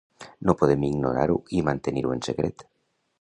No podem ignorar-ho i mantenir-ho en secret.